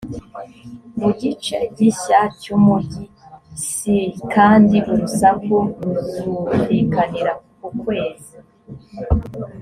mu gice gishya cy umugi s kandi urusaku ruzumvikanira ku kwezi